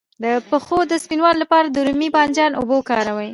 د پښو د سپینولو لپاره د رومي بانجان اوبه وکاروئ